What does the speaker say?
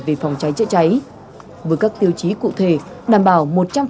về phòng cháy chữa cháy với các tiêu chí cụ thể đảm bảo một trăm linh